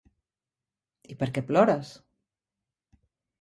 I per què plores?